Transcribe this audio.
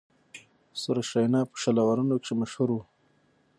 سریش رینا په شل آورونو کښي مشهور وو.